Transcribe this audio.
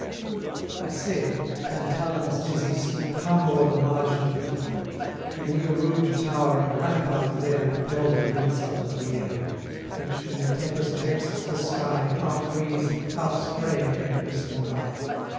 I said, Tantallon's dizzy steep 25 Hung o'er the margin of the deep. Many a rude tower and rampart there Repell'd the insult of the air, Which, when the tempest vex'd the sky, Half breeze, half spray, came whistling by.